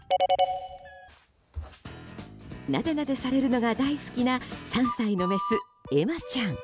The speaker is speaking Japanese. なでなでされるのが大好きな３歳のメス、エマちゃん。